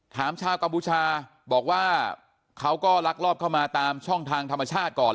ชาวกัมพูชาบอกว่าเขาก็ลักลอบเข้ามาตามช่องทางธรรมชาติก่อน